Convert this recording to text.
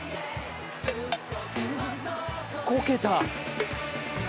こけた。